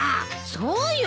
そうよ。